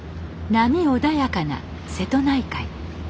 波穏やかな瀬戸内海。